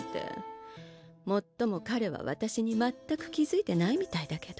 もっともかれは私にまったく気づいてないみたいだけど。